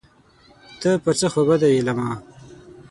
ته پر څه خوابدی یې له ما